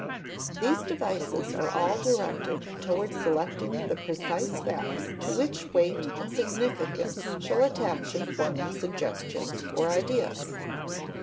These devices are all directed toward selecting the precise facts to which weight and significance shall attach in forming suggestions or ideas.